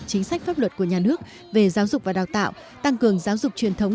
chính sách pháp luật của nhà nước về giáo dục và đào tạo tăng cường giáo dục truyền thống